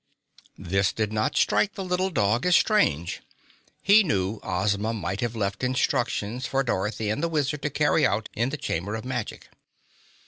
This did not strike the little dog as strange. He knew Ozma might have left instructions for Dorothy and the Wizard to carry out in the Chamber of Magic.